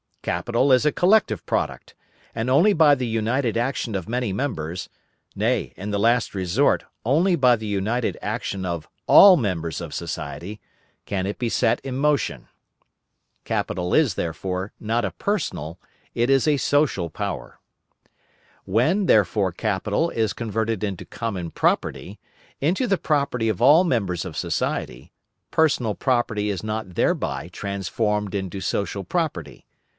Capital is a collective product, and only by the united action of many members, nay, in the last resort, only by the united action of all members of society, can it be set in motion. Capital is, therefore, not a personal, it is a social power. When, therefore, capital is converted into common property, into the property of all members of society, personal property is not thereby transformed into social property.